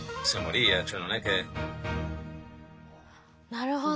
なるほど。